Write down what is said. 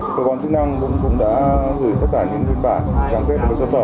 cơ quan chức năng cũng đã gửi tất cả những biên bản cam kết với cơ sở